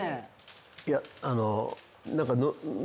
いやあの。